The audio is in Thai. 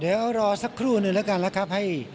เดี๋ยวรอสักครู่หนึ่งแล้วกันแล้วครับ